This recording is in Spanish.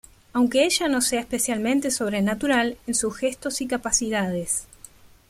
Aunque ella no sea "especialmente sobrenatural" en sus gestos y capacidades.